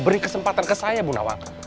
beri kesempatan ke saya bu nawaka